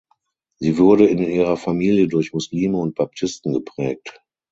Sie wurde in ihrer Familie durch Muslime und Baptisten geprägt.